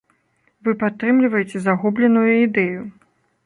Вы падтрымліваеце загубленую ідэю.